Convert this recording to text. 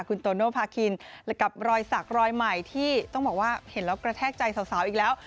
คุณโตโนภาคินกับรอยสักรอยใหม่ที่ต้องบอกว่าเห็นแล้วกระแทกใจสาวอีกแล้ว